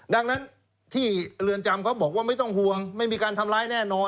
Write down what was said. ดังนั้นที่เรือนจำเขาบอกว่าไม่ต้องห่วงไม่มีการทำร้ายแน่นอน